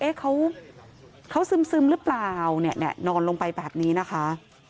เอ๊ะเขาเขาซึมซึมหรือเปล่าเนี่ยเนี่ยนอนลงไปแบบนี้นะคะ